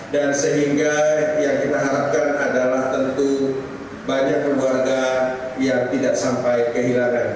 dan sehingga yang kita harapkan adalah tentu banyak keluarga yang tidak sampai kehilangan